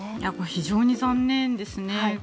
非常に残念ですね。